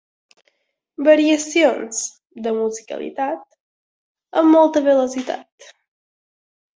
Variacions (de musicalitat) amb molta velocitat